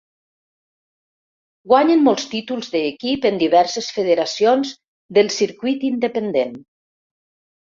Guanyen molts títols d'equip en diverses federacions del circuit independent.